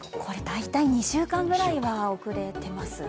大体２週間ぐらいは遅れてます。